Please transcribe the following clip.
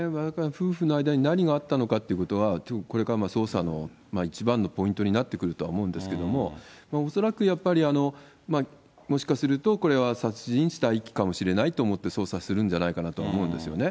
夫婦の間に何があったのかっていうことは、これから捜査の一番のポイントになってくるとは思うんですけれども、恐らくやっぱりもしかすると、これは殺人、死体遺棄かもしれないと思って捜査するんじゃないかなとは思うんですよね。